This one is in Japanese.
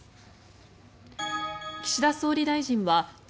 岸田総理大臣はＧ７・